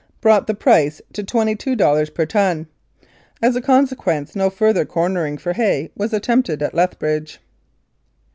brought the price to twenty two dollars per ton. As a consequence no further cornering for hay was attempted at Lethbridge.